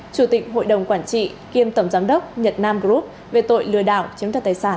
chủ tịch hội đồng quản trị kiêm tổng giám đốc nhật nam group về tội lừa đảo chiếm thật tài sản